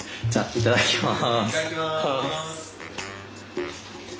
いただきます。